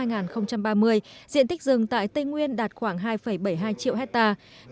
năm hai nghìn ba mươi diện tích rừng tại tây nguyên đạt khoảng hai bảy mươi hai triệu hectare